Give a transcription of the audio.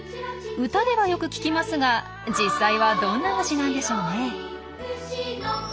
歌ではよく聞きますが実際はどんな虫なんでしょうね？